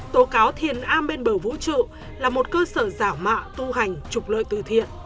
tố cáo thiền a bên bờ vũ trụ là một cơ sở giả mạ tu hành trục lợi từ thiện